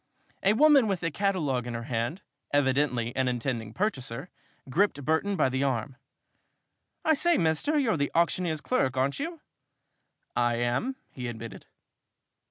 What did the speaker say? A woman with a catalogue in her hand evidently an intending purchaser gripped Burton by the arm. "I say, mister, you're the auctioneer's clerk, aren't you?" "I am," he admitted.